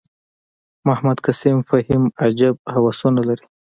محمد قسیم فهیم عجیب هوسونه لري.